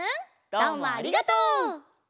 どうもありがとう！